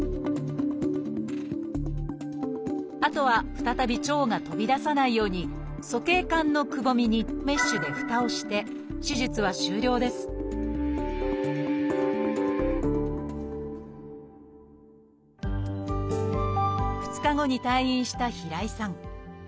あとは再び腸が飛び出さないように鼠径管のくぼみにメッシュでふたをして手術は終了です２日後に退院した平井さん。